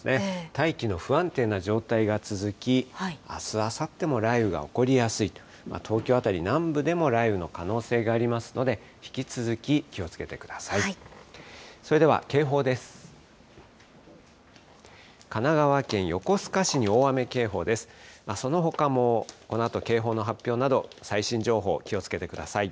大気の不安定な状態が続き、あす、あさっても雷雨が起こりやすい、東京辺り、南部でも雷雨の可能性がありますので、引き続き気をつけてください。